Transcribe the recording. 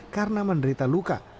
karena menderita luka